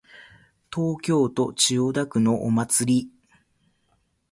東京都千代田区のお祭り